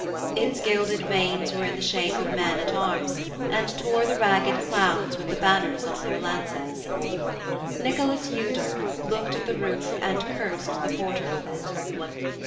Its gilded vanes were in the shape of men at arms, and tore the ragged clouds with the banners on their lances. Nicholas Udal looked at the roof and cursed the porter of it.